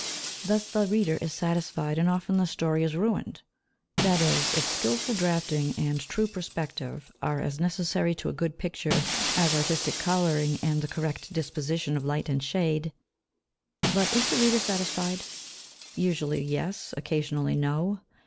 Thus the reader is satisfied, and often the story is ruined; that is, if skilful drafting and true perspective are as necessary to a good picture as artistic colouring and the correct disposition of light and shade. But is the reader satisfied? Usually, yes; occasionally, no.